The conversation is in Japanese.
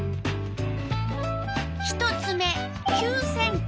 １つ目９ｃｍ。